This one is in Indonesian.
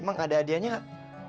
emang ada adianya gak